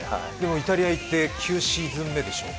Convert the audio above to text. イタリア行って９シーズン目でしょう？